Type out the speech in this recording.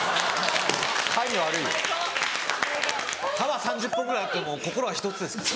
歯は３０本ぐらいあっても心は１つですから。